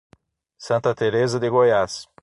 Santa Tereza de Goiás